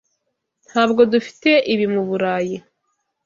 Ntabwo dufite ibi mu Burayi.